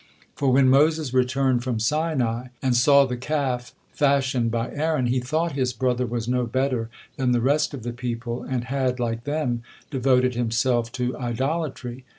For when Moses returned from Sinai and saw the Calf fashioned by Aaron, he thought his brother was no better than the rest of the people, and had, like them, devoted himself to idolatry.